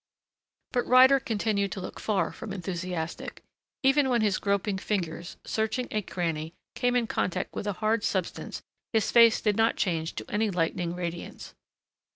But Ryder continued to look far from enthusiastic. Even when his groping fingers, searching a cranny, came in contact with a hard substance his face did not change to any lightning radiance.